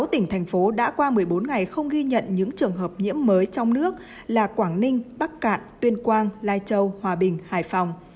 sáu tỉnh thành phố đã qua một mươi bốn ngày không ghi nhận những trường hợp nhiễm mới trong nước là quảng ninh bắc cạn tuyên quang lai châu hòa bình hải phòng